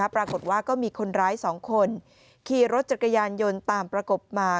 ปรากฏว่าก็มีคนร้าย๒คนขี่รถจักรยานยนต์ตามประกบมา